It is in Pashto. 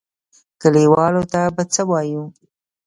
کليوالو ته به څه وايو.